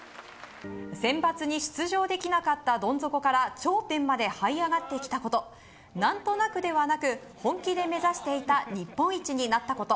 センバツに出場できなかったどん底から頂点まではい上がってきたこと何となくではなく本気で目指していた日本一になったこと。